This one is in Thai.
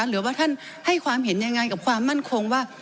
หรือว่าท่านให้ความเห็นยังไงกับความมั่นคงว่า